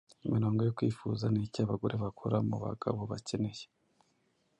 Imirongo yo Kwifuza. Niki abagore bakora mubagabo bakeneye?